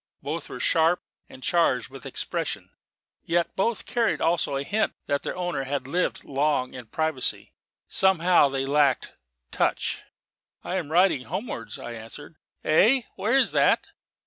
Both were sharp and charged with expression; yet both carried also a hint that their owner had lived long in privacy. Somehow they lacked touch. "I am riding homewards," I answered. "Hey? Where is that?"